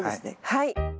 はい。